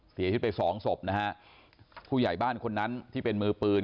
เสียชีวิตไปสองศพนะฮะผู้ใหญ่บ้านคนนั้นที่เป็นมือปืน